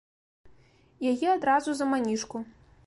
Яе адразу за манішку.